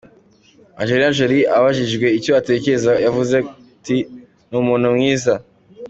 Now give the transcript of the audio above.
Angelina Jolie abajijwe icyo abitekerzaho yavuze ati “Ni umuntu mwiza.